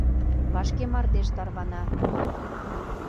Вашке мардеж тарвана...